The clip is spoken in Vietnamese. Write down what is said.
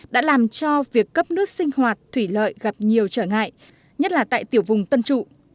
đã làm cho việc cấp nước sinh hoạt thủy lợi gặp nhiều trở ngại nhất là tại tiểu vùng tân trụ